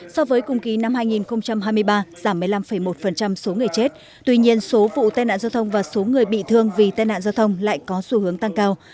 so với cùng kỳ năm hai nghìn hai mươi ba giảm một mươi năm một số người chết tuy nhiên số vụ tai nạn giao thông và số người bị thương vì tai nạn giao thông lại có xu hướng tăng cao